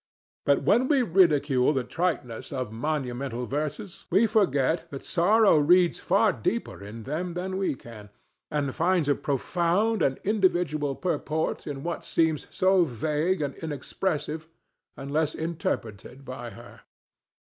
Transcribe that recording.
But when we ridicule the triteness of monumental verses, we forget that Sorrow reads far deeper in them than we can, and finds a profound and individual purport in what seems so vague and inexpressive unless interpreted by her.